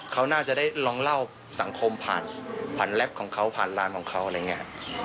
เขาน่าจะได้ลองเล่าสังคมผ่านผ่านแล็ปของเขาผ่านไลน์ของเขาอะไรอย่างนี้